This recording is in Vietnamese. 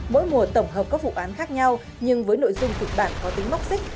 mỗi mùa tổng hợp các vụ án khác nhau nhưng với nội dung kịch bản có tính móc xích